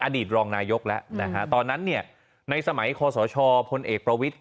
อดีตรองนายกแล้วตอนนั้นนั้นในสมัยคศพลเอกประวิติ